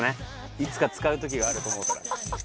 いつか使う時があると思うから。